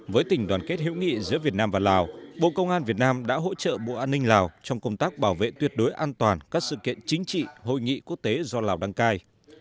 với tình đoàn kết hữu nghị giữa việt nam và lào bộ công an việt nam đã hỗ trợ bộ an ninh lào trong công tác bảo vệ tuyệt đối an toàn các sự kiện chính trị hội nghị quốc tế do lào đăng cai